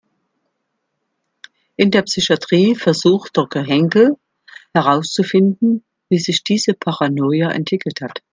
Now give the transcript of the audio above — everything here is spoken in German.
In der Psychatrie versucht Doktor Henkel herauszufinden, wie sich diese Paranoia entwickelt hat.